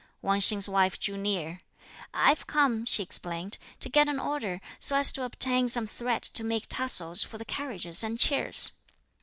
Wang Hsing's wife drew near. "I've come," she explained, "to get an order, so as to obtain some thread to make tassels for the carriages and chairs."